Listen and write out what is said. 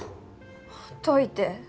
ほっといて。